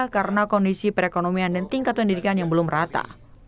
karena kondisi perekonomian dan tingkat pendidikan yang belum rata